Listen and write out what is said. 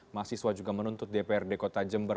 mahasiswa juga menuntut dprd kota jember